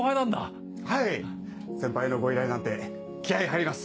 先輩のご依頼なんて気合入ります！